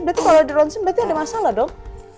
berarti kalau di rounceng berarti ada masalah dong